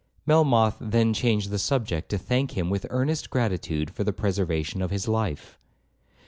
Melmoth then changed the subject, to thank him with earnest gratitude for the preservation of his life.